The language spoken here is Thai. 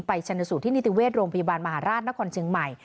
ชนสูตรที่นิติเวชโรงพยาบาลมหาราชนครเชียงใหม่